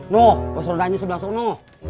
no pos rondanya sebelah sana